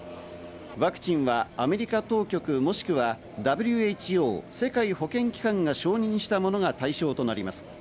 ワクチンはアメリカ当局もしくはＷＨＯ＝世界保健機関が承認したものが対象となります。